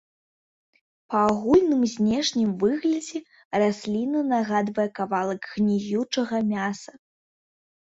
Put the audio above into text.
Па агульным знешнім выглядзе расліна нагадвае кавалак гніючага мяса.